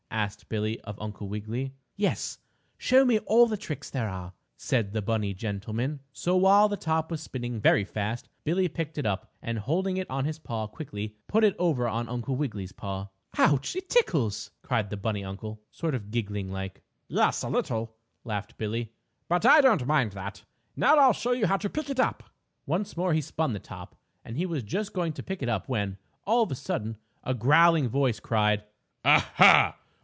asked Billie, of Uncle Wiggily. "Yes, show me all the tricks there are," said the bunny gentleman. So, while the top was spinning very fast, Billie picked it up, and, holding it on his paw, quickly put it over on Uncle Wiggily's paw. "Ouch! It tickles!" cried the bunny uncle, sort of giggling like. "Yes, a little," laughed Billie, "but I don't mind that. Now I'll show you how to pick it up." Once more he spun the top, and he was just going to pick it up when, all of a sudden, a growling voice cried: "Ah, ha!